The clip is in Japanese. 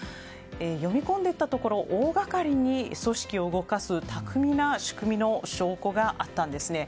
読み込んでいったところ大がかりに組織を動かす巧みな仕組みの証拠があったんですね。